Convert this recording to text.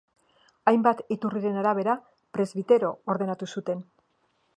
Hainbat iturriren arabera, presbitero ordenatu zuten.